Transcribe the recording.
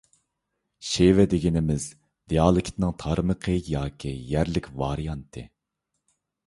شېۋە دېگىنىمىز – دىئالېكتنىڭ تارمىقى ياكى يەرلىك ۋارىيانتى.